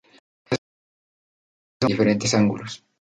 Estas son proyectadas desde diferentes ángulos.